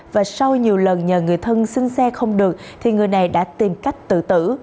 và sau nhiều lần nhờ người thân xin xe không được thì người này đã tìm cách tự tử